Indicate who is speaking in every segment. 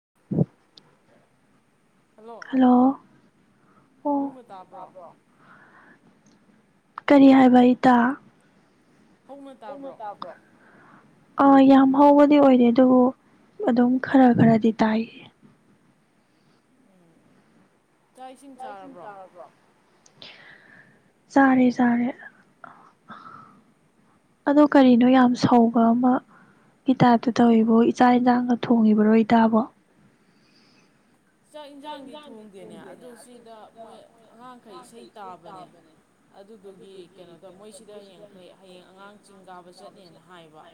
Speaker 1: [unintelligible]
Speaker 2: Hello
Speaker 1: ꯑꯣ
Speaker 2: ꯍꯧꯅ ꯇꯥꯕ꯭ꯔꯣ
Speaker 1: ꯀꯔꯤ ꯍꯥꯏꯕ ꯏꯇꯥ
Speaker 2: ꯍꯧꯅ ꯇꯥꯕ꯭ꯔꯣ
Speaker 1: ꯑꯥ ꯌꯥꯝ ꯍꯧꯕꯗꯤ ꯑꯣꯏꯗꯦ ꯑꯗꯨꯕꯨ ꯑꯗꯨꯝ ꯈꯔ ꯈꯔꯗꯤ ꯇꯥꯏꯌꯦ ꯆꯥꯛ ꯏꯁꯤꯡ ꯆꯥꯎꯔꯕ꯭ꯔꯣ ꯆꯥꯔꯦ ꯆꯥꯔꯦ ꯑꯗꯣ ꯀꯔꯤꯅꯣ ꯌꯥꯝ ꯁꯧꯕ ꯑꯃꯒꯤ ꯒꯤ ꯇꯥꯏꯞꯇ ꯇꯧꯏꯕꯣ ꯏꯆꯥꯥꯛ ꯏꯟꯁꯥꯡꯒ ꯊꯣꯡꯉꯤꯕꯔꯣ ꯏ ꯇꯕꯣ
Speaker 2: ꯆꯥꯛ ꯌꯦꯟꯁꯥꯡꯗꯤ ꯊꯣꯡꯗꯦꯅꯦ ꯑꯗꯨ ꯁꯤꯗ ꯃꯣꯏ ꯑꯉꯥꯡꯈꯩ ꯏꯁꯩ ꯇꯥꯕꯅꯦ ꯑꯗꯨꯗꯨꯒꯤ ꯀꯩꯅꯣꯗ ꯃꯣꯏꯁꯤꯗ ꯍꯌꯦꯡꯈꯩ ꯍꯌꯦꯡ ꯑꯉꯥꯡ ꯆꯤꯡ ꯀꯥꯕ ꯆꯠꯅꯦꯅ ꯍꯥꯏꯕ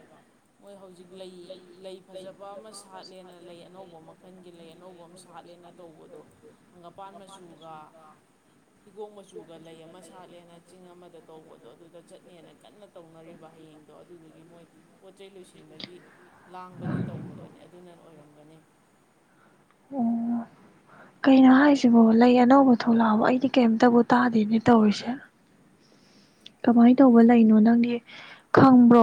Speaker 2: ꯃꯣꯏ ꯍꯧꯖꯤꯛ ꯂꯩ ꯂꯩ ꯐꯖꯕ ꯑꯃ ꯁꯥꯠꯂꯦꯅ ꯂꯩ ꯑꯅꯧꯕ ꯃꯈꯜꯒꯤ ꯂꯩ ꯑꯅꯧꯕ ꯑꯃ ꯁꯥ ꯑꯅ ꯇꯧꯕꯗꯣ ꯍꯪꯒꯄꯥꯟ ꯃꯆꯨꯒ ꯍꯤꯒꯣꯛ ꯃꯆꯨꯒ ꯂꯩ ꯑꯃ ꯁꯥꯠꯂꯦꯅ ꯆꯤꯡ ꯑꯃꯗ ꯇꯧꯕꯗꯣ ꯑꯗꯨꯗ ꯆꯠꯅꯦꯅ ꯀꯟꯅ ꯇꯧꯅꯔꯤꯕ ꯍꯌꯦꯡꯗꯣ ꯑꯗꯨꯗꯒꯤ ꯃꯣꯏ ꯄꯣꯠ ꯆꯩꯩ ꯂꯣꯏꯁꯤꯟꯕꯒꯤ ꯂꯥꯡꯕꯗꯤ ꯇꯧꯅꯕꯅꯦ ꯑꯗꯨꯅ ꯑꯣꯏꯔꯝꯒꯅꯤ
Speaker 1: ꯑꯣ ꯀꯩꯅꯣ ꯍꯥꯏꯁꯤꯕꯣ ꯂꯩ ꯑꯅꯧꯕ ꯊꯣꯛꯂꯛꯑꯕ ꯑꯩꯗꯤ ꯀꯩꯝꯇꯕꯨ ꯇꯥꯗꯦꯅꯦ ꯇꯧꯔꯤꯁꯦ ꯀꯃꯥꯏꯅ ꯇꯧꯕ ꯂꯩꯅꯣ ꯅꯪꯅꯦ ꯈꯪꯕ꯭ꯔꯣ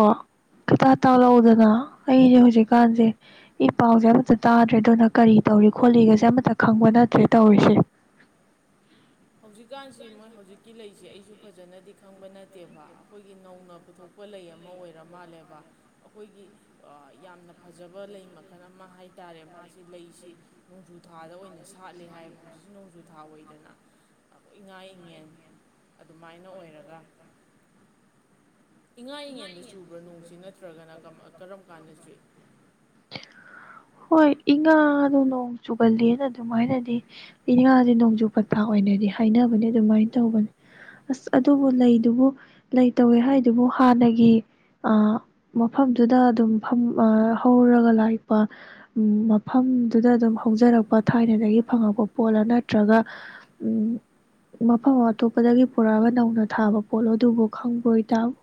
Speaker 1: ꯈꯤꯇꯥ ꯇꯥꯎꯍꯧꯗꯅ ꯑꯩꯁꯦ ꯍꯧꯖꯤꯛꯀꯥꯟꯁꯦ ꯏ ꯄꯥꯎꯁꯦ ꯑꯃꯠꯇ ꯇꯥꯗ꯭ꯔꯦ ꯑꯗꯨꯅ ꯀꯔꯤ ꯇꯧꯔꯤ ꯈꯣꯠꯂꯤꯒꯁꯦ ꯑꯃꯠꯇ ꯈꯪꯕ ꯅꯠꯇ꯭ꯔꯦ ꯇꯧꯔꯤꯁꯦ
Speaker 2: ꯍꯧꯖꯤꯛꯀꯥꯟꯁꯤ ꯃꯣꯏ ꯍꯧꯖꯤꯛꯀꯤ ꯂꯩꯁꯤ ꯑꯩꯁꯨ ꯐꯖꯅꯗꯤ ꯈꯪꯕ ꯅꯠꯇꯦꯕ ꯑꯩꯈꯣꯏꯒꯤ ꯅꯧꯅ ꯄꯨꯊꯣꯛꯄ ꯂꯩ ꯑꯃ ꯑꯣꯏꯔ ꯃꯥꯜꯂꯦꯕ ꯑꯩꯈꯣꯏꯒꯤ ꯌꯥꯝꯅ ꯐꯖꯕ ꯂꯩ ꯃꯈꯜ ꯑꯃ ꯍꯥꯏ ꯇꯥꯔꯦ ꯃꯥꯁꯤ ꯂꯩꯁꯤ ꯅꯣꯡꯖꯨꯊꯥꯗ ꯑꯣꯏꯅ ꯁꯥꯠꯂꯦ ꯍꯥꯏꯌꯦꯕ ꯍꯧꯖꯤꯛꯁꯤ ꯅꯣꯡꯖꯨꯊꯥ ꯑꯣꯏꯗꯅ ꯏꯉꯥ ꯏꯉꯦꯟ ꯑꯗꯨꯃꯥꯏꯅ ꯑꯣꯏꯔꯒ ꯏꯉꯥꯏꯉꯟꯗ ꯆꯨꯕ꯭ꯔꯥ ꯅꯣꯡꯁꯤ ꯅꯠꯇ꯭ꯔꯥ ꯅꯠꯇ꯭ꯔꯒꯅ ꯀꯔꯝ ꯀꯥꯟꯗꯁꯤ
Speaker 1: ꯍꯣꯏ ꯏꯉꯥꯗꯣ ꯅꯣꯡ ꯆꯨꯒꯂꯅ ꯑꯗꯨꯃꯥꯏꯅꯗꯤ ꯏꯉꯥꯁꯦ ꯅꯣꯡꯖꯨ ꯄꯊꯥ ꯑꯣꯏꯅꯗꯤ ꯍꯥꯏꯅꯕꯅꯦ ꯑꯗꯨꯃꯥꯏꯅ ꯇꯧꯕꯅꯦ ꯑꯁ ꯑꯗꯨꯕꯨ ꯂꯩꯗꯨꯕꯨ ꯂꯩ ꯇꯧꯋꯦ ꯍꯥꯏꯗꯨꯕꯨ ꯍꯥꯟꯅꯒꯤ ꯑ ꯃꯐꯝꯗꯨꯗ ꯑꯗꯨꯝ ꯐ ꯍꯧꯔꯒ ꯂꯥꯛꯄ ꯎꯝ ꯃꯐꯝꯗꯨꯗ ꯑꯗꯨꯝ ꯍꯧꯖꯔꯛꯄ ꯊꯥꯏꯅꯗꯒꯤ ꯐꯪꯉꯛꯄ ꯄꯣꯠꯂ ꯅꯠꯇ꯭ꯔꯒ ꯎ ꯃꯐꯝ ꯑꯇꯣꯞꯄꯗꯒꯤ ꯄꯨꯔꯛꯑꯒ ꯅꯧꯅ ꯊꯥꯕ ꯄꯣꯠꯂꯣ ꯑꯗꯨꯕꯨ ꯈꯪꯕ꯭ꯔꯣꯏ ꯇꯥꯕꯣ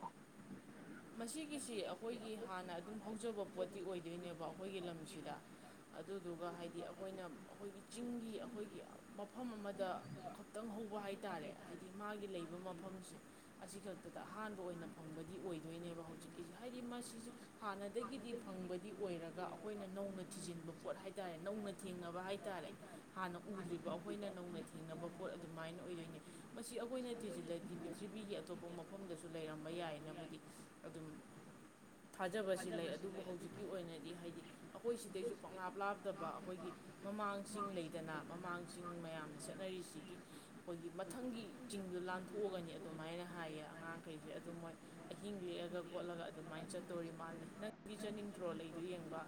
Speaker 2: ꯃꯁꯤꯒꯤꯁꯤ ꯑꯩꯈꯣꯏꯒꯤ ꯍꯥꯟꯅ ꯑꯗꯨꯝ ꯍꯧꯖꯕ ꯄꯣꯠꯇꯤ ꯑꯣꯏꯗꯣꯏꯅꯦꯕ ꯑꯩꯈꯣꯏꯒꯤ ꯂꯝꯁꯤꯗ ꯑꯗꯨꯗꯨꯒ ꯍꯥꯏꯗꯤ ꯑꯩꯈꯣꯏꯅ ꯑꯩꯈꯣꯏꯒꯤ ꯆꯤꯡꯒꯤ ꯑꯩꯈꯣꯏꯒꯤ ꯃꯐꯝ ꯑꯃꯗ ꯈꯛꯇꯪ ꯍꯧꯕ ꯍꯥꯏꯇꯥꯔꯦ ꯍꯥꯏꯗꯤ ꯃꯥꯒꯤ ꯂꯩꯕ ꯃꯐꯝꯁꯦ ꯑꯁꯤ ꯈꯛꯇꯗ ꯑꯍꯥꯟꯕ ꯑꯣꯏꯅ ꯐꯪꯕꯗꯤ ꯑꯣꯏꯗ ꯑꯣꯏꯗꯣꯏꯅꯦꯕ ꯍꯧꯖꯤꯛꯀꯤꯁꯦ ꯍꯥꯏꯗꯤ ꯃꯁꯤꯁꯦ ꯍꯥꯟꯅꯗꯒꯤꯗꯤ ꯐꯪꯕꯗꯤ ꯑꯣꯏꯔꯒ ꯑꯩꯈꯣꯏꯅ ꯅꯧꯅ ꯊꯤꯖꯤꯟꯕ ꯄꯣꯠ ꯍꯥꯏꯇꯥꯔꯦ ꯅꯧꯅ ꯊꯦꯡꯅꯕ ꯍꯥꯏꯇꯥꯔꯦ ꯍꯥꯟꯅ ꯎꯗ꯭ꯔꯤꯕ ꯑꯩꯈꯣꯏꯅ ꯅꯧꯅ ꯊꯦꯡꯅꯕ ꯄꯣꯠ ꯑꯗꯨꯃꯥꯏꯅ ꯑꯣꯏꯗꯣꯏꯅꯦ ꯃꯁꯤ ꯑꯩꯈꯣꯏꯅ ꯊꯤꯖꯤꯜꯂꯗꯤ ꯄ꯭ꯔꯤꯊꯤꯕꯤꯒꯤ ꯑꯇꯣꯞꯄ ꯃꯐꯝꯗꯁꯨ ꯂꯩꯔꯝꯕ ꯌꯥꯏꯅꯕꯨꯗꯤ ꯑꯗꯨꯝ ꯊꯥꯖꯕꯁꯤ ꯂꯩ ꯑꯗꯨꯕꯨ ꯍꯧꯖꯤꯛꯀꯤ ꯑꯣꯏꯅꯗꯤ ꯍꯥꯏꯗꯤ ꯑꯩꯈꯣꯏ ꯁꯤꯗꯩꯁꯨ ꯄꯪꯪꯂꯥꯞ ꯂꯥꯞꯇꯕ ꯑꯩꯈꯣꯏꯒꯤ ꯃꯃꯥꯡꯁꯤꯡꯤꯡ ꯂꯩꯗꯅ ꯃꯃꯥꯡꯁꯤꯡ ꯃꯌꯥꯝꯅ ꯆꯠꯅꯔꯤꯁꯤꯒꯤ ꯑꯩꯈꯣꯏꯒꯤ ꯃꯊꯪꯒꯤ ꯆꯤꯡꯗ ꯂꯥꯟꯊꯣꯛꯑꯒꯅꯤ ꯑꯗꯨꯃꯥꯏꯅ ꯍꯥꯏꯌꯦ ꯑꯉꯥꯡꯈꯩꯁꯦ ꯑꯗꯨ ꯃꯣꯏ ꯑꯍꯤꯡ ꯂꯦꯛꯑꯒ ꯈꯣꯠꯂꯒ ꯑꯗꯨꯃꯥꯏꯅ ꯆꯠꯇꯣꯔꯤ ꯃꯥꯜꯂ ꯅꯪꯒꯤ ꯆꯠꯅꯤꯡꯗ꯭ꯔꯣ ꯂꯩꯗꯨꯣ ꯌꯦꯡꯕ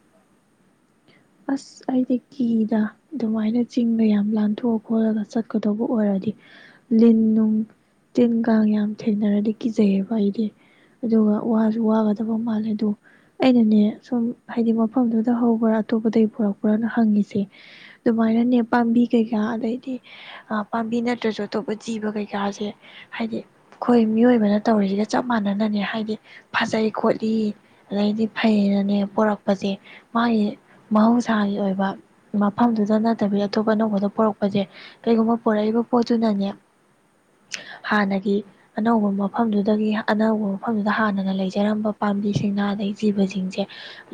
Speaker 1: ꯑꯁ ꯑꯩꯗꯤ ꯀꯤꯗ ꯑꯗꯨꯃꯥꯏꯅ ꯆꯤꯡꯗ ꯌꯥꯝ ꯂꯥꯟꯊꯣꯛꯑ ꯈꯣꯠꯂꯒ ꯆꯠꯀꯗꯧꯕ ꯑꯣꯏꯔꯗꯤ ꯂꯤꯟ ꯅꯨꯡ ꯇꯤꯟ ꯀꯥꯡ ꯌꯥꯝ ꯊꯦꯡꯅꯔꯗꯤ ꯀꯤꯖꯩꯌꯦꯕ ꯑꯩꯗꯤ ꯑꯗꯨꯒ ꯋꯥꯁꯨ ꯋꯥꯒꯗꯕ ꯃꯥꯜꯂꯦ ꯑꯗꯨꯗꯣ ꯑꯩꯅꯅꯦ ꯁꯨꯝ ꯍꯥꯏꯗꯤ ꯃꯐꯝꯗꯨꯗ ꯍꯧꯕ꯭ꯔꯥ ꯑꯇꯣꯞꯄꯗꯒꯤ ꯄꯣꯔꯛꯄ꯭ꯔꯥꯅ ꯍꯪꯉꯤꯁꯦ ꯑꯗꯨꯃꯥꯏꯅꯅꯦ ꯄꯥꯝꯕꯤ ꯀꯩꯀꯥ ꯑꯗꯩꯗꯤ ꯄꯥꯝꯕꯤ ꯅꯠꯇ꯭ꯔꯁꯨ ꯑꯇꯣꯞꯄ ꯖꯤꯕ ꯀꯩꯀꯥꯁꯦ ꯍꯥꯏꯗꯤ ꯑꯩꯈꯣꯏ ꯃꯤꯑꯣꯏꯕꯅ ꯇꯧꯔꯤꯁꯤꯒ ꯆꯞ ꯃꯥꯟꯅꯅꯅꯦ ꯍꯥꯏꯗꯤ ꯐꯖꯩ ꯈꯣꯠꯂꯤ ꯑꯗꯩꯗꯤ ꯐꯩꯌꯦꯅꯅꯦ ꯄꯣꯔꯛꯄꯁꯦ ꯃꯥꯒꯤ ꯃꯍꯧꯁꯥꯒꯤ ꯑꯣꯏꯕ ꯃꯐꯝꯗꯨꯗ ꯅꯠꯇꯕꯤ ꯑꯇꯣꯞ ꯑꯅꯧꯕꯗ ꯄꯣꯔꯛꯄꯁꯦ ꯀꯩꯒꯨꯝꯕ ꯄꯣꯔꯛꯏꯕ ꯄꯣꯠꯇꯨꯅꯅꯦ ꯍꯥꯟꯅꯒꯤ ꯑꯅꯧꯕ ꯃꯐꯝꯗꯨꯗꯒꯤ ꯑꯅꯧꯕ ꯃꯐꯝꯗꯨꯗ ꯍꯥꯟꯅꯅ ꯂꯩꯖꯔꯝꯕ ꯄꯥꯝꯕꯤꯁꯤꯡꯅ ꯑꯗꯩ ꯖꯤꯕꯁꯤꯡꯁꯦ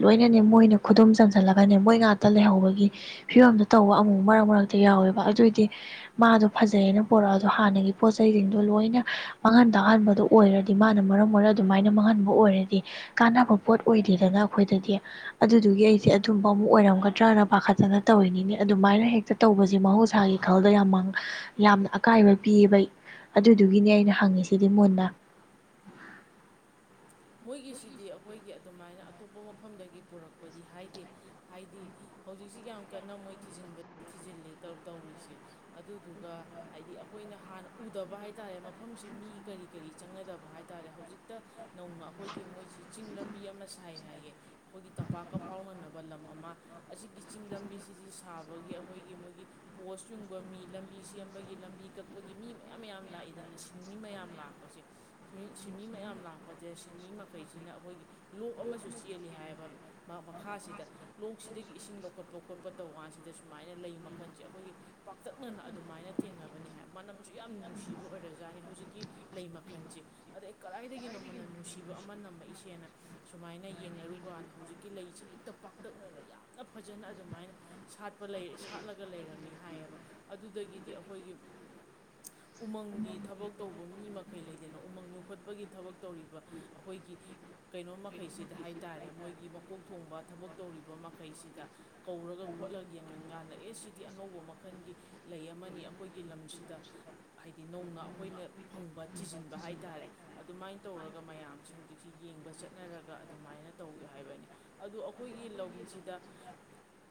Speaker 1: ꯂꯣꯏꯅꯅꯦ ꯃꯣꯏꯅ ꯈꯨꯗꯨꯝ ꯆꯟ ꯐꯜꯂꯒꯅꯦ ꯃꯣꯏ ꯉꯥꯛꯇ ꯂꯩꯍꯧꯕꯒꯤ ꯐꯤꯕꯝꯗꯣ ꯇꯧꯕ ꯑꯃꯨꯛ ꯃꯔꯛ ꯃꯔꯛꯇ ꯌꯥꯎꯋꯦꯕ ꯑꯗꯨꯑꯣꯏꯗꯤ ꯃꯥꯗꯣ ꯐꯖꯩꯑꯅ ꯄꯣꯔꯛꯑꯗꯣ ꯍꯥꯟꯅꯒꯤ ꯄꯣꯠ ꯆꯩꯁꯤꯡꯗꯣ ꯂꯣꯏꯅ ꯃꯥꯡꯍꯟ ꯇꯥꯛꯍꯟꯕꯗꯣ ꯑꯣꯏꯔꯗꯤ ꯃꯥꯅ ꯃꯔꯝ ꯑꯣꯏꯔꯒ ꯑꯗꯨꯃꯥꯏꯅ ꯃꯥꯡꯍꯟꯕ ꯑꯣꯏꯔꯗꯤ ꯀꯥꯟꯅꯕ ꯄꯣꯠ ꯑꯣꯏꯗꯦꯗꯅ ꯑꯩꯈꯣꯏꯗꯗꯤ ꯑꯗꯨꯗꯨꯒꯤ ꯑꯩꯁꯦ ꯑꯊꯨꯝꯕ ꯑꯃꯨꯛ ꯑꯣꯏꯔꯝꯒꯗ꯭ꯔꯅ ꯄꯥꯈꯠꯇꯅ ꯇꯧꯔꯤꯅꯤꯅꯤ ꯑꯗꯨꯃꯥꯏꯅ ꯍꯦꯛꯇ ꯇꯧꯕꯁꯦ ꯃꯍꯧꯁꯥꯒꯤ ꯈꯜꯗ ꯌꯥꯝ ꯌꯥꯝꯅ ꯑꯀꯥꯏꯕ ꯄꯤꯕ ꯑꯗꯨꯗꯨꯒꯤꯅꯤ ꯑꯩꯅ ꯍꯪꯉꯤꯁꯤꯗꯤ ꯃꯨꯟꯅ
Speaker 2: ꯃꯣꯏꯒꯤꯁꯤꯗꯤ ꯑꯩꯈꯣꯏꯒꯤ ꯑꯗꯨꯃꯥꯏꯅ ꯑꯇꯣꯞꯄ ꯃꯐꯝꯗꯒꯤ ꯄꯨꯔꯛꯄꯗꯤ ꯍꯥꯏꯗꯦ ꯍꯥꯏꯗꯤ ꯍꯧꯖꯤꯛꯁꯤ ꯌꯥꯝ ꯀꯟꯅ ꯃꯣꯏ ꯊꯤꯖꯤꯟꯕ ꯊꯤꯖꯤꯜꯂꯤ ꯇꯧꯔꯤꯁꯦ ꯑꯗꯨꯗꯨꯒ ꯍꯥꯏꯗꯤ ꯑꯩꯈꯣꯏꯅ ꯍꯥꯟꯅ ꯎꯗꯕ ꯍꯥꯏ ꯇꯥꯔꯦ ꯃꯐꯝꯁꯤ ꯃꯤ ꯀꯔꯤ ꯀꯔꯤ ꯆꯪꯒꯗꯕ ꯍꯥꯏ ꯇꯥꯔꯦ ꯍꯧꯖꯤꯛꯇ ꯅꯧꯅ ꯑꯩꯈꯣꯏꯒꯤ ꯃꯣꯏꯁꯤ ꯆꯤꯡ ꯂꯝꯕꯤ ꯑꯃ ꯁꯥꯏ ꯍꯥꯏꯌꯦ ꯑꯩꯈꯣꯏꯒꯤ ꯇꯝꯄꯥꯛꯀ ꯐꯥꯎꯅꯅꯕ ꯂꯝ ꯑꯃ ꯑꯁꯤꯒꯤ ꯆꯤꯡ ꯂꯝꯕꯤꯁꯤꯗꯤ ꯁꯥꯕꯒꯤ ꯑꯩꯈꯣꯏꯒꯤ ꯃꯣꯏꯒꯤ ꯄꯣꯁ ꯌꯨꯡꯕ ꯃꯤ ꯂꯝꯕꯤ ꯁꯦꯝꯕꯒꯤ ꯂꯝꯕꯤ ꯀꯛꯄꯒꯤ ꯃꯤ ꯃꯌꯥꯝ ꯃꯌꯥꯝ ꯂꯥꯛꯏꯗꯅ ꯁꯤꯟꯃꯤ ꯃꯌꯥꯝ ꯂꯥꯛꯄꯁꯦ ꯁꯤꯟꯃꯤ ꯃꯌꯥꯝ ꯂꯥꯛꯄ ꯗ ꯁꯤꯟꯃꯤ ꯃꯈꯩꯁꯤꯅ ꯑꯩꯈꯣꯏꯒꯤ ꯂꯣꯛ ꯑꯃꯁꯨ ꯆꯦꯜꯂꯤ ꯍꯥꯏꯌꯦꯕ ꯃꯈꯥꯁꯤꯗ ꯂꯣꯛꯁꯤꯗꯒꯤ ꯏꯁꯤꯡ ꯂꯧꯈꯠꯄ ꯈꯣꯠꯄ ꯇꯧ ꯀꯥꯟꯁꯤꯗ ꯁꯨꯃꯥꯏꯅ ꯂꯩ ꯃꯈꯜꯁꯦ ꯑꯩꯈꯣꯏꯒꯤ ꯄꯥꯛꯇꯛꯅꯅ ꯑꯗꯨꯃꯥꯏꯅ ꯊꯦꯡꯅꯕꯅꯤ ꯍꯥꯏ ꯃꯅꯝꯁꯨ ꯌꯥꯝ ꯅꯨꯡꯁꯤꯕ ꯑꯣꯏꯔꯖꯥꯠꯅꯤ ꯍꯧꯖꯤꯛꯀꯤ ꯂꯩ ꯃꯈꯜꯁꯦ ꯑꯗꯩ ꯀꯗꯥꯏꯗꯒꯤꯅꯣ ꯃꯅꯝ ꯅꯨꯡꯁꯤꯕ ꯑꯃ ꯅꯝꯃꯛꯏꯁꯦꯅ ꯁꯨꯃꯥꯏꯅ ꯌꯦꯡꯅꯔꯨꯀꯥꯟꯗ ꯍꯧꯖꯤꯛꯀꯤ ꯂꯩꯁꯦ ꯍꯦꯛꯇ ꯄꯥꯛꯇꯛꯅꯅ ꯌꯥꯝꯅ ꯐꯖꯅ ꯑꯗꯨꯃꯥꯏꯅ ꯁꯥꯠꯄ ꯁꯥꯠꯂꯒ ꯂꯩꯔꯝꯃꯤ ꯍꯥꯏꯌꯦꯕ ꯑꯗꯨꯗꯒꯤꯗꯤ ꯑꯩꯈꯣꯏꯒꯤ ꯎꯃꯪꯒꯤ ꯊꯕꯛ ꯇꯧꯕ ꯃꯤ ꯃꯈꯩ ꯂꯩꯗꯅ ꯎꯃꯪ ꯌꯣꯛꯈꯠꯄꯒꯤ ꯊꯕꯛ ꯇꯧꯔꯤꯕ ꯑꯩꯈꯣꯏꯒꯤ ꯀꯩꯅꯣ ꯃꯈꯩꯁꯤꯗ ꯍꯥꯏꯇꯥꯔꯦ ꯃꯣꯏꯒꯤ ꯃꯀꯣꯛ ꯊꯣꯡꯕ ꯊꯕꯛ ꯇꯧꯔꯤꯕ ꯃꯈꯩꯁꯤꯗ ꯀꯧꯔꯒ ꯈꯣꯠꯂꯒ ꯌꯦꯡꯍꯟ ꯀꯥꯟꯗ ꯑꯦ ꯁꯤꯗꯤ ꯑꯅꯧꯕ ꯃꯈꯜꯒꯤ ꯂꯩ ꯑꯃꯅꯤ ꯑꯩꯈꯣꯏꯒꯤ ꯂꯝꯁꯤꯗ ꯍꯥꯏꯗꯤ ꯅꯧꯅ ꯑꯩꯈꯣꯏꯅ ꯐꯪꯕ ꯊꯤꯖꯤꯟꯕ ꯍꯥꯏ ꯇꯥꯔꯦ ꯑꯗꯨꯃꯥꯏꯅ ꯇꯧꯔꯒ ꯃꯌꯥꯝꯁꯦ ꯍꯧꯖꯤꯛꯁꯤ ꯌꯦꯡꯕ ꯆꯠꯅꯔꯒ ꯑꯗꯨꯃꯥꯏꯅ ꯇꯧꯏ ꯍꯥꯏꯕꯅꯤ ꯑꯗꯨ ꯑꯩꯈꯣꯏꯒꯤ ꯂꯝꯁꯤꯗ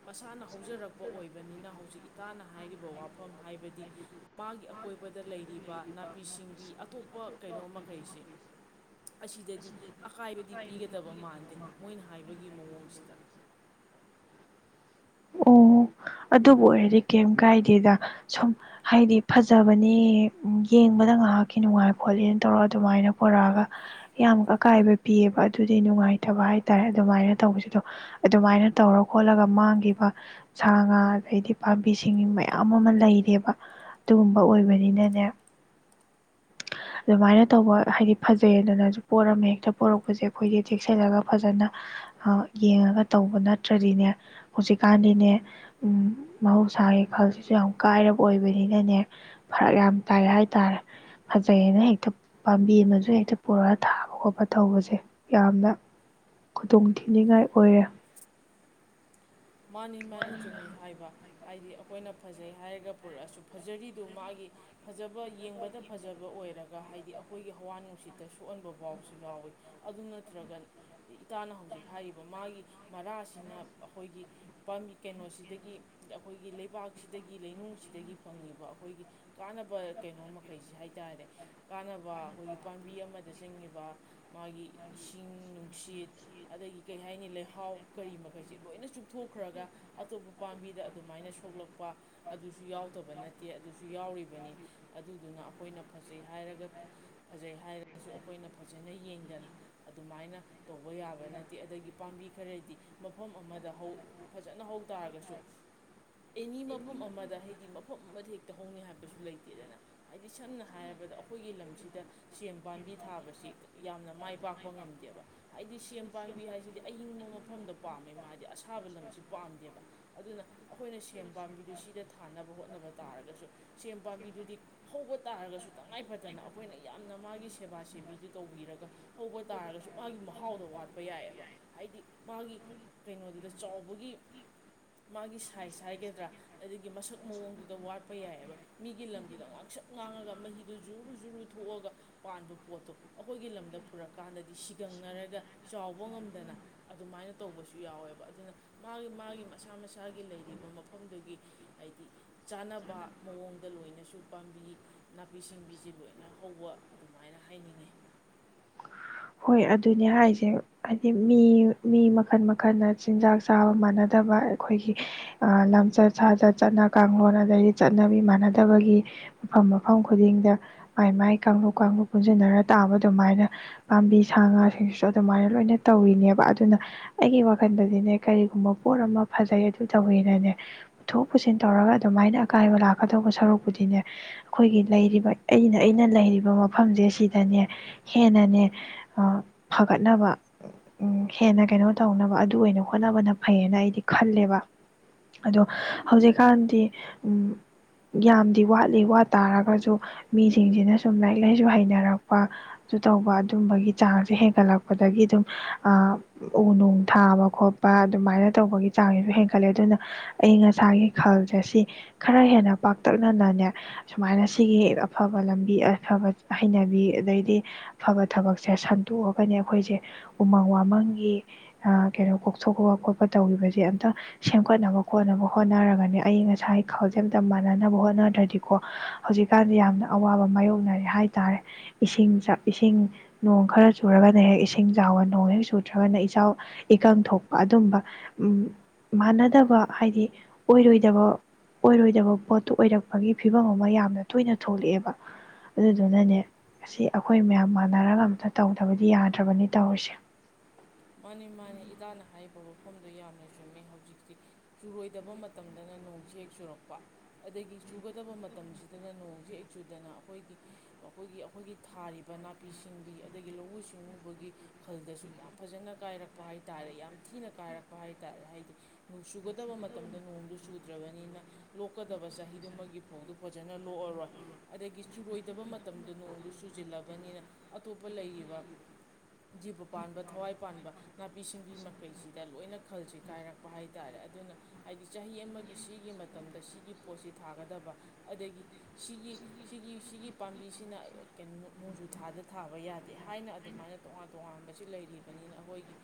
Speaker 2: ꯃꯁꯥꯅ ꯍꯧꯖꯔꯛꯄ ꯑꯣꯏꯕꯅꯤꯅ ꯍꯧꯖꯤꯛ ꯏꯇꯥꯅ ꯍꯥꯏꯔꯤꯕ ꯋꯥꯐꯝ ꯍꯥꯏꯕꯗꯤ ꯃꯥꯒꯤ ꯑꯀꯣꯏꯕꯗ ꯂꯩꯔꯤꯕ ꯅꯥꯄꯤ ꯁꯤꯡꯕꯤ ꯑꯇꯣꯞꯄ ꯀꯩꯅꯣ ꯃꯈꯩꯁꯤ ꯑꯁꯤꯗꯗꯤ ꯑꯀꯥꯏꯕꯗꯤ ꯄꯤꯒꯗꯕ ꯃꯥꯟꯗꯦ ꯃꯣꯏꯅ ꯍꯥꯏꯕꯒꯤ ꯃꯑꯣꯡꯁꯤꯗ
Speaker 1: ꯑꯣ ꯑꯗꯨꯕꯨ ꯑꯣꯏꯔꯗꯤ ꯀꯩꯝ ꯀꯥꯏꯗꯦꯗ ꯁꯨꯝ ꯍꯥꯏꯗꯤ ꯐꯖꯕꯅꯤ ꯌꯦꯡꯕꯗ ꯉꯥꯏꯍꯥꯛꯀꯤ ꯅꯨꯡꯉꯥꯏ ꯈꯣꯠꯂꯦꯅ ꯇꯧꯔ ꯑꯗꯨꯃꯥꯏꯅ ꯄꯨꯣꯔꯛꯑꯒ ꯌꯥꯝ ꯑꯀꯥꯏꯕ ꯄꯤꯌꯦꯕ ꯑꯗꯨꯗꯤ ꯅꯨꯡꯉꯥꯏꯇꯕ ꯍꯥꯏ ꯇꯔꯦ ꯑꯗꯨꯃꯥꯏꯅ ꯇꯧꯕꯁꯤꯗꯣ ꯑꯗꯨꯃꯥꯏꯅ ꯇꯧꯔ ꯈꯣꯠꯂꯒ ꯃꯥꯡꯈꯤꯕ ꯁꯥ ꯉꯥ ꯑꯗꯩꯗꯤ ꯄꯥꯝꯕꯤꯁꯤꯡ ꯃꯌꯥꯝ ꯑꯃ ꯂꯩꯔꯦꯕ ꯑꯗꯨꯒꯨꯝꯕ ꯑꯣꯏꯕꯅꯤꯅꯅꯦ ꯑꯗꯨꯃꯥꯏꯅ ꯇꯧꯕ ꯍꯥꯏꯗꯤ ꯐꯖꯩꯗꯅꯁꯨ ꯄꯣꯠ ꯑꯃ ꯍꯦꯛꯇ ꯄꯣꯔꯛꯄꯁꯦ ꯑꯩꯈꯣꯏꯗꯤ ꯆꯦꯛꯁꯤꯜꯂꯒ ꯐꯖꯅ ꯌꯦꯡꯉꯒ ꯇꯧꯕ ꯅꯠꯇ꯭ꯔꯗꯤꯅꯦ ꯍꯧꯖꯤꯛꯀꯥꯟꯗꯤꯅꯦ ꯎꯝ ꯃꯍꯧꯁꯥꯒꯤ ꯈꯜꯁꯤꯁꯨ ꯌꯥꯝ ꯀꯥꯏꯔꯕ ꯑꯣꯏꯕꯅꯤꯅꯅꯦ ꯐꯔꯛ ꯌꯥꯝ ꯇꯥꯏ ꯍꯥꯏꯇꯥꯔꯦ ꯐꯖꯩꯌꯦꯅ ꯍꯦꯛꯇ ꯄꯥꯝꯕꯤ ꯑꯃꯁꯨ ꯍꯦꯛꯇ ꯄꯨꯔꯒ ꯊꯥꯕ ꯈꯣꯠꯄ ꯇꯧꯕꯁꯦ ꯌꯥꯝꯅ ꯈꯨꯗꯣꯡ ꯊꯤꯅꯤꯡꯉꯥꯏ ꯑꯣꯏꯔꯦ
Speaker 2: ꯃꯥꯅꯤ ꯃꯥꯅꯤ ꯆꯨꯝꯃꯤ ꯍꯥꯏꯕ ꯍꯥꯏꯗꯤ ꯑꯩꯈꯣꯏꯅ ꯐꯖꯩ ꯍꯥꯏꯔꯒ ꯄꯨꯔꯛꯑꯁꯨ ꯐꯖꯔꯤꯗꯨ ꯃꯥꯒꯤ ꯐꯖꯕ ꯌꯦꯡꯕꯗ ꯐꯖꯕ ꯑꯣꯏꯔꯦ ꯒ ꯍꯥꯏꯗꯤ ꯑꯩꯈꯣꯏꯒꯤ ꯍꯋꯥ ꯅꯨꯡꯁꯤꯠꯇ ꯁꯣꯛꯍꯟꯕ ꯐꯥꯎꯁꯨ ꯌꯥꯎꯋꯤ ꯑꯗꯨ ꯅꯠꯇ꯭ꯔꯒ ꯏꯇꯥꯅ ꯍꯧꯖꯤꯛ ꯍꯥꯏꯔꯤꯕ ꯃꯥꯒꯤ ꯃꯔꯥꯁꯤꯅ ꯑꯩꯈꯣꯏꯒꯤ ꯀꯩꯅꯣꯁꯤꯗꯒꯤ ꯑꯩꯈꯣꯏꯒꯤ ꯂꯩꯕꯥꯛꯁꯤꯗꯒꯤ ꯂꯩꯅꯨꯡꯁꯤꯗꯒꯤ ꯐꯪꯉꯤꯕ ꯑꯩꯈꯣꯏꯒꯤ ꯀꯥꯅꯕ ꯀꯩꯅꯣ ꯃꯈꯩꯁꯤ ꯍꯥꯏ ꯇꯥꯔꯦ ꯀꯥꯅꯕ ꯑꯩꯈꯣꯏꯒꯤ ꯄꯥꯝꯕꯤ ꯑꯃꯗ ꯆꯪꯉꯤꯕ ꯃꯥꯒꯤ ꯏꯁꯤꯡ ꯅꯨꯡꯁꯤꯠ ꯑꯗꯒꯤ ꯀꯔꯤ ꯍꯥꯏꯅꯤ ꯂꯩꯍꯥꯎ ꯀꯔꯤ ꯃꯈꯩꯁꯤ ꯂꯣꯏꯅ ꯊꯣꯛꯈ꯭ꯔꯒ ꯑꯇꯣꯞꯄ ꯄꯥꯝꯕꯤꯗ ꯑꯗꯨꯃꯥꯏꯅ ꯁꯣꯛꯂꯛꯄ ꯑꯗꯨꯁꯨ ꯌꯥꯎꯗꯕ ꯅꯠꯇꯦ ꯑꯗꯨꯁꯨ ꯌꯥꯎꯔꯤꯕꯅꯤ ꯑꯗꯨꯗꯨꯅ ꯑꯩꯈꯣꯏꯅ ꯐꯖꯩ ꯍꯥꯏꯔꯒ ꯐꯖꯩ ꯍꯥꯏꯔꯒꯁꯨ ꯑꯩꯈꯣꯏꯅ ꯐꯖꯅ ꯌꯦꯡꯗꯅ ꯑꯗꯨꯃꯥꯏꯅ ꯇꯧꯕ ꯌꯥꯕ ꯅꯠꯇꯦ ꯑꯗꯒꯤ ꯄꯥꯝꯕꯤ ꯈꯔꯗꯤ ꯃꯐꯝ ꯑꯃꯗ ꯍꯧ ꯐꯖꯅ ꯍꯧ ꯇꯥꯔꯒꯁꯨ ꯑꯦꯅꯤ ꯃꯐꯝ ꯑꯃꯗ ꯍꯥꯏꯗꯤ ꯃꯐꯝ ꯑꯃꯗ ꯍꯦꯛꯇ ꯍꯧꯅꯤ ꯍꯥꯏꯕꯁꯨ ꯂꯩꯇꯦꯗꯅ ꯍꯥꯏꯗꯤ ꯁꯝꯅ ꯍꯥꯏꯔꯕꯗ ꯑꯩꯈꯣꯏꯒꯤ ꯂꯝꯁꯤꯗ ꯁꯦꯝ ꯄꯥꯝꯕꯤ ꯊꯥꯕꯁꯤ ꯌꯥꯝꯅ ꯃꯥꯏ ꯄꯥꯛꯄ ꯉꯝꯗꯦꯕ ꯍꯥꯏꯗꯤ ꯁꯦꯝ ꯄꯥꯝꯕꯤ ꯍꯥꯏꯁꯤꯗꯤ ꯑꯌꯤꯡꯕ ꯃꯐꯝꯗ ꯄꯥꯝꯃꯦ ꯃꯥꯗꯤ ꯑꯁꯥꯕ ꯂꯝꯁꯤ ꯄꯥꯝꯗꯦꯕ ꯑꯗꯨꯅ ꯑꯩꯈꯣꯏꯅ ꯁꯦꯝ ꯄꯥꯝꯕꯤꯗꯨ ꯁꯤꯗ ꯊꯥꯅꯕ ꯍꯣꯠꯅꯕ ꯇꯥꯔꯒꯁꯨ ꯁꯦꯝ ꯄꯥꯝꯕꯤꯗꯨꯗꯤ ꯍꯧꯕ ꯇꯥꯔꯒꯁꯨ ꯇꯉꯥꯏꯐꯗꯅ ꯑꯩꯈꯣꯏꯅ ꯌꯥꯝꯅ ꯃꯥꯒꯤ ꯁꯦꯕꯥ ꯁꯦꯕꯤꯗꯨ ꯇꯧꯕꯤꯔꯒ ꯍꯧꯕ ꯇꯥꯔꯒꯁꯨ ꯃꯥꯒꯤ ꯃꯍꯥꯎꯗꯣ ꯋꯥꯠꯄ ꯌꯥꯏꯌꯦꯕ ꯍꯥꯏꯗꯤ ꯃꯥꯒꯤ ꯀꯩꯅꯣꯗꯨꯗ ꯆꯥꯎꯕꯒꯤ ꯃꯥꯒꯤ ꯁꯥꯏꯖ ꯍꯥꯏꯒꯗ꯭ꯔꯥ ꯑꯗꯒꯤ ꯃꯁꯛ ꯃꯑꯣꯡꯗꯨꯗ ꯋꯥꯠꯄ ꯌꯥꯏꯌꯦꯕ ꯃꯤꯒꯤ ꯂꯝꯗꯨꯗ ꯉꯥꯡꯁꯛ ꯉꯥꯡꯉꯒ ꯃꯍꯤꯗꯨ ꯖꯨꯔꯨ ꯖꯨꯔꯨ ꯊꯣꯛꯑꯒ ꯄꯥꯟꯕ ꯄꯣꯠꯇꯣ ꯑꯩꯈꯣꯏꯒꯤ ꯂꯝꯗ ꯄꯨꯔꯛꯀꯥꯟꯗꯗꯤ ꯁꯤꯒꯪꯅꯔꯒ ꯆꯥꯎꯕ ꯉꯝꯗꯅ ꯑꯗꯨꯃꯥꯏꯅ ꯇꯧꯕꯁꯨ ꯌꯥꯎꯋꯦꯕ ꯑꯗꯨꯅ ꯃꯥꯒꯤ ꯃꯥꯒꯤ ꯃꯁꯥ ꯃꯁꯥꯒꯤ ꯂꯩꯔꯤꯕ ꯃꯐꯝꯗꯨꯒꯤ ꯍꯥꯏꯗꯤ ꯆꯥꯅꯕ ꯃꯑꯣꯡꯗ ꯂꯣꯏꯅꯁꯨ ꯄꯥꯝꯕꯤ ꯅꯥꯄꯤ ꯁꯤꯡꯕꯤꯁꯤ ꯂꯣꯏꯅ ꯍꯧꯕ ꯑꯗꯨꯃꯥꯏꯅ ꯍꯥꯏꯅꯤꯡꯉꯤ
Speaker 1: ꯍꯣꯏ ꯑꯗꯨꯅꯦ ꯍꯥꯏꯁꯦ ꯍꯥꯏꯗꯤ ꯃꯤ ꯃꯤ ꯃꯈꯜ ꯃꯈꯜꯅ ꯆꯤꯟꯖꯥꯛ ꯆꯥꯕ ꯃꯥꯟꯅꯗꯕ ꯑꯩꯈꯣꯏꯒꯤ ꯂꯝꯆꯠ ꯁꯥꯖꯠ ꯆꯠꯅ ꯀꯥꯡꯂꯣꯟ ꯑꯗꯩꯗꯤ ꯆꯠꯅꯕꯤ ꯃꯥꯟꯅꯗꯕꯒꯤ ꯃꯐꯝ ꯃꯐꯝ ꯈꯨꯗꯤꯡꯗ ꯃꯥꯏ ꯃꯥꯏ ꯀꯥꯡꯂꯨꯞ ꯀꯥꯡꯂꯨꯞ ꯄꯨꯟꯁꯤꯟꯅꯔ ꯇꯥꯕ ꯑꯗꯨꯃꯥꯏꯅ ꯄꯥꯝꯕꯤ ꯁꯥ ꯉꯥꯁꯤꯡꯁꯤꯁꯨ ꯑꯗꯨꯃꯥꯏꯅ ꯂꯣꯏꯅ ꯇꯧꯔꯤꯅꯦꯕ ꯑꯗꯨꯅ ꯑꯩꯒꯤ ꯋꯥꯈꯜꯗꯗꯤꯅꯦ ꯀꯔꯤꯒꯨꯝꯕ ꯄꯣꯠ ꯑꯃ ꯐꯖꯩ ꯑꯗꯨ ꯇꯧꯋꯦꯅꯅꯦ ꯄꯨꯊꯣꯛ ꯄꯨꯁꯤꯟ ꯇꯧꯔꯒ ꯑꯗꯨꯃꯥꯏꯅ ꯑꯀꯥꯏꯕ ꯂꯥꯛꯀꯗꯧꯕ ꯁꯔꯨꯛꯄꯨꯗꯤꯅꯦ ꯑꯩꯈꯣꯏꯒꯤ ꯂꯩꯔꯤꯕ ꯑꯩꯅ ꯑꯩꯅ ꯂꯩꯔꯤꯕ ꯃꯐꯝꯁꯦ ꯁꯤꯗꯅꯦ ꯍꯦꯟꯅꯅꯦ ꯐꯒꯠꯅꯕ ꯍꯦꯟꯅ ꯀꯩꯅꯣ ꯇꯧꯅꯕ ꯑꯗꯨ ꯑꯣꯏꯅ ꯍꯣꯠꯅꯕꯅ ꯐꯩꯌꯦꯅ ꯑꯩꯗꯤ ꯈꯜꯂꯦꯕ ꯑꯗꯣ ꯍꯧꯖꯤꯛꯀꯥꯟꯗꯤ ꯌꯥꯝꯗꯤ ꯋꯥꯠꯂꯤ ꯋꯥꯠ ꯇꯥꯔꯒꯁꯨ ꯃꯤꯁꯤꯡꯁꯤꯅ ꯁꯨꯝ ꯂꯥꯏꯔꯤꯛ ꯂꯥꯏꯁꯨ ꯍꯩꯅꯔꯛꯄꯁꯨ ꯇꯧꯕ ꯑꯗꯨꯝꯕꯒꯤ ꯆꯥꯡꯁꯦ ꯍꯦꯟꯒꯠꯂꯛꯄꯗꯒꯤ ꯑꯗꯨꯝ ꯎ ꯅꯨꯡ ꯊꯥꯕ ꯈꯣꯠꯄ ꯑꯗꯨꯃꯥꯏꯅ ꯇꯧꯕꯒꯤ ꯆꯥꯡꯁꯤꯁꯨ ꯍꯦꯟꯒꯠꯂꯦ ꯑꯗꯨꯅ ꯑꯏꯪ ꯑꯁꯥꯒꯤ ꯈꯜꯁꯦ ꯁꯤ ꯈꯔ ꯍꯦꯟꯅ ꯄꯥꯛꯇꯛꯅꯅꯅꯦ ꯁꯨꯃꯥꯏꯅ ꯁꯤꯒꯤ ꯑꯐꯕ ꯂꯝꯕꯤ ꯑꯐꯕ ꯍꯩꯅꯕꯤ ꯑꯗꯩꯗꯤ ꯑꯐꯕ ꯊꯕꯛꯁꯦ ꯁꯟꯗꯣꯛꯑꯒꯅꯤ ꯑꯩꯈꯣꯏꯁꯦ ꯎꯃꯪ ꯋꯥꯃꯪꯒꯤ ꯀꯩꯅꯣ ꯀꯣꯛꯊꯣꯛꯄ ꯈꯣꯠꯄ ꯇꯧꯔꯤꯕꯁꯦ ꯑꯝꯇ ꯁꯦꯝꯒꯠꯅꯕ ꯈꯣꯠꯅꯕ ꯍꯣꯠꯅꯔꯒꯅꯤ ꯑꯏꯪ ꯑꯁꯥꯏ ꯈꯥꯎꯖꯦꯜꯝꯇ ꯃꯥꯟꯅꯅꯕ ꯍꯣꯠꯅꯗ꯭ꯔꯗꯤꯀꯣ ꯍꯧꯖꯤꯛꯀꯥꯟꯗꯤ ꯌꯥꯝꯅ ꯑꯋꯥꯕ ꯃꯥꯏꯌꯣꯛꯅꯔꯦ ꯍꯥꯏꯇꯥꯔꯦ ꯏꯁꯤꯡ ꯏꯁꯤꯡ ꯅꯣꯡ ꯈꯔ ꯆꯨꯔꯒꯅ ꯍꯦꯛ ꯏꯁꯤꯡ ꯆꯥꯎꯕ ꯅꯣꯡ ꯍꯦꯛ ꯆꯨꯗ꯭ꯔꯒꯅ ꯏꯆꯥꯎ ꯏꯀꯪ ꯊꯣꯛꯄ ꯑꯗꯨꯝꯕ ꯃꯥꯟꯅꯗꯕ ꯍꯥꯏꯗꯤ ꯑꯣꯏꯔꯣꯏꯗꯕ ꯑꯣꯏꯔꯣꯏꯗꯕ ꯄꯣꯠꯇꯨ ꯑꯣꯏꯔꯛꯄꯒꯤ ꯐꯤꯕꯝ ꯑꯃ ꯌꯥꯝꯅ ꯇꯣꯏꯅ ꯊꯣꯛꯂꯛꯑꯦꯕ ꯑꯗꯨꯗꯨꯅꯅꯦ ꯑꯁꯤ ꯑꯩꯈꯣꯏ ꯃꯌꯥꯝ ꯅꯔꯒ ꯑꯇ ꯇꯧꯗꯕꯗꯤ ꯌꯥꯗ꯭ꯔꯕꯅꯤ ꯇꯧꯔꯤꯁꯦ
Speaker 2: ꯃꯥꯅꯦ ꯃꯥꯅꯦ ꯏꯇꯥꯅ ꯍꯥꯏꯔꯤꯕ ꯃꯐꯝꯗꯣ ꯌꯥꯝꯅ ꯆꯨꯝꯃꯦ ꯍꯧꯖꯤꯛꯇꯤ ꯆꯨꯔꯣꯏꯗꯕ ꯃꯇꯝꯗꯅ ꯅꯣꯡꯁꯤ ꯍꯦꯛ ꯆꯨꯔꯛꯄ ꯑꯗꯒꯤ ꯆꯨꯒꯗꯕ ꯃꯇꯝꯁꯤꯗꯅ ꯅꯣꯡꯁꯤ ꯍꯦꯛ ꯆꯨꯗꯅ ꯑꯩꯈꯣꯏꯒꯤ ꯑꯩꯈꯣꯏꯒꯤ ꯑꯩꯈꯣꯏꯒꯤ ꯊꯥꯔꯤꯕ ꯅꯥꯄꯤ ꯁꯤꯡꯕꯤ ꯑꯗꯒꯤ ꯂꯧꯎ ꯁꯤꯡꯎꯕꯒꯤ ꯈꯜꯗꯁꯨ ꯌꯥꯝ ꯐꯖꯅ ꯀꯥꯏꯔꯛꯄ ꯍꯥꯏ ꯇꯥꯔꯦ ꯌꯥꯝ ꯊꯤꯅ ꯀꯥꯏꯔꯛꯄ ꯍꯥꯏ ꯇꯔꯦ ꯍꯥꯏꯗꯤ ꯅꯣꯡ ꯆꯨꯒꯗꯕ ꯃꯇꯝꯗ ꯅꯣꯡꯗꯨ ꯆꯨꯗ꯭ꯔꯕꯅꯤꯅ ꯂꯣꯛꯀꯗꯕ ꯆꯍꯤꯗꯨꯃꯒꯤ ꯐꯧꯗꯨ ꯐꯖꯅ ꯂꯣꯛꯑꯔꯣꯏ ꯑꯗꯒꯤ ꯆꯨꯔꯣꯏꯗꯕ ꯃꯇꯝꯗ ꯅꯣꯡꯗꯨ ꯆꯨꯁꯤꯜꯂꯕꯅꯤꯅ ꯑꯇꯣꯞꯄ ꯂꯩꯔꯤꯕ ꯖꯤꯕ ꯄꯥꯟꯕ ꯊꯋꯥꯏ ꯄꯥꯟꯕ ꯅꯥꯄꯤ ꯁꯤꯡꯕꯤ ꯃꯈꯩꯁꯤꯗ ꯂꯣꯏꯅ ꯈꯜꯁꯤ ꯀꯥꯏꯔꯛꯄ ꯍꯥꯏꯇꯥꯔꯦ ꯑꯗꯨꯅ ꯍꯥꯏꯗꯤ ꯆꯍꯤ ꯑꯃꯒꯤ ꯁꯤꯒꯤ ꯃꯇꯝꯗ ꯁꯤꯒꯤ ꯄꯣꯠꯁꯤ ꯊꯥꯒꯗꯕ ꯑꯗꯒꯤ ꯁꯤꯒꯤ ꯁꯤꯒꯤ ꯁꯤꯒꯤ ꯄꯥꯝꯕꯤꯁꯤꯅ ꯀꯩꯅꯣ ꯅꯣꯡꯖꯨ ꯊꯥꯗ ꯊꯥꯕ ꯌꯥꯗꯦ ꯍꯥꯏꯅ ꯑꯗꯨꯃꯥꯏꯅ ꯇꯣꯉꯥꯟ ꯇꯣꯉꯥꯟꯕꯁꯤ ꯂꯩꯔꯤ ꯅꯤꯅ ꯑꯩꯈꯣꯏꯒꯤ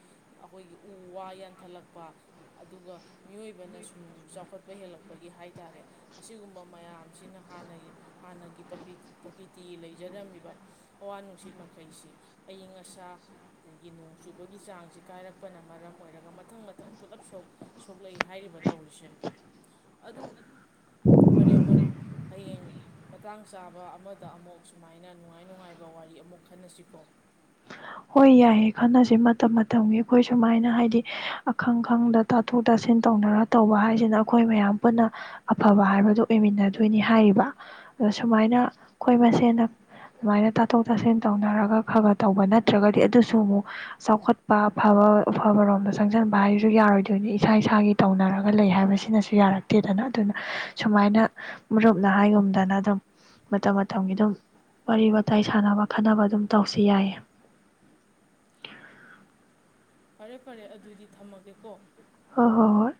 Speaker 2: ꯑꯩꯈꯣꯏꯒꯤ ꯎ ꯋꯥ ꯌꯥꯟꯊꯠꯂꯛꯄ ꯑꯗꯨꯒ ꯃꯤꯑꯣꯏꯕꯅ ꯁꯨꯝ ꯆꯥꯎꯈꯠꯄ ꯍꯦꯜꯂꯛꯄꯒꯤ ꯍꯥꯏꯇꯥꯔꯦ ꯑꯁꯤꯒꯨꯝꯕ ꯃꯌꯥꯝꯁꯤꯅ ꯍꯥꯟꯅꯒꯤ ꯍꯥꯟꯅꯒꯤ ꯄ ꯄ꯭ꯔꯀꯤꯇꯤ ꯂꯩꯖꯔꯝꯃꯤꯕ ꯍꯋꯥ ꯅꯨꯡꯁꯤꯠ ꯃꯈꯩꯁꯤ ꯑꯏꯤꯡ ꯑꯁꯥ ꯒꯤ ꯅꯣꯡ ꯆꯨꯕꯒꯤ ꯆꯥꯡꯁꯤ ꯀꯥꯏꯔꯛꯄꯅ ꯃꯔꯝ ꯑꯣꯏꯔꯒ ꯃꯊꯪ ꯃꯊꯪ ꯄꯨꯂꯞ ꯁꯣꯛꯂꯛꯏ ꯍꯥꯏꯔꯤꯕ ꯇꯧꯔꯤꯁꯦ ꯑꯗꯨ ꯐꯔꯦ ꯃꯔꯨꯞ ꯍꯌꯦꯡ ꯃꯇꯥꯡ ꯆꯥꯕ ꯑꯃꯗ ꯑꯃꯨꯛ ꯁꯨꯃꯥꯏꯅ ꯅꯨꯡꯉꯥꯏ ꯅꯨꯡꯉꯥꯏꯕ ꯋꯥꯔꯤ ꯑꯃꯨꯛ ꯈꯟꯅꯁꯤꯀꯣ
Speaker 1: ꯍꯣꯏ ꯌꯥꯏꯌꯦ ꯈꯟꯅꯁꯦ ꯃꯇꯝ ꯃꯇꯝꯒꯤ ꯑꯩꯈꯣꯏ ꯁꯨꯃꯥꯏꯅ ꯍꯥꯏꯗꯤ ꯑꯈꯪ ꯈꯪꯗ ꯇꯥꯊꯣꯛ ꯇꯥꯁꯤꯟ ꯇꯧꯅꯔ ꯇꯧꯕ ꯍꯥꯏꯁꯤꯅ ꯑꯩꯈꯣꯏ ꯃꯌꯥꯝ ꯄꯨꯟꯅ ꯑꯐꯕ ꯍꯥꯏꯕꯗꯨ ꯑꯣꯏꯃꯤꯟꯅꯗꯣꯏꯅꯤ ꯍꯥꯏꯔꯤꯕ ꯑꯗ ꯁꯨꯃꯥꯏꯅ ꯑꯩꯈꯣꯏ ꯃꯁꯦꯟ ꯁꯨꯃꯥꯏꯅ ꯇꯥꯊꯣꯛ ꯇꯥꯁꯤꯟ ꯇꯧꯅꯔꯒ ꯈ ꯈ ꯇꯧꯕ ꯅꯠ ꯇ꯭ꯔꯒꯗꯤ ꯑꯗꯨꯁꯨ ꯑꯃꯨꯛ ꯆꯥꯎꯈꯠꯄ ꯑꯐꯕ ꯑꯐꯕꯔꯣꯝꯗ ꯆꯪꯁꯤꯟꯕ ꯍꯥꯏꯁꯨ ꯌꯥꯔꯣꯏꯗꯣꯏꯅꯤ ꯏꯁꯥ ꯏꯁꯥꯒꯤ ꯇꯧꯅꯔꯒ ꯂꯩ ꯍꯥꯏꯕꯁꯤꯅꯁꯨ ꯌꯥꯔꯛꯇꯦꯗꯅ ꯑꯗꯨꯅ ꯁꯨꯃꯥꯏꯅ ꯃꯔꯨꯞꯅ ꯍꯥꯏꯒꯨꯝꯗꯅ ꯑꯗꯨꯝ ꯃꯇꯝ ꯃꯇꯝꯒꯤ ꯑꯗꯨꯝ ꯋꯥꯔꯤ ꯋꯥꯇꯥꯏ ꯁꯥꯟꯅꯕ ꯈꯠꯅꯕ ꯑꯗꯨꯝ ꯇꯧꯁꯤ ꯌꯥꯏꯌꯦ
Speaker 2: ꯐꯔꯦ ꯐꯔꯦ ꯑꯗꯨꯗꯤ ꯊꯝꯃꯒꯦꯀꯣ
Speaker 1: ꯍꯣ ꯍꯣ ꯍꯣꯏ꯫